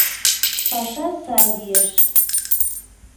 Паша сай лиеш.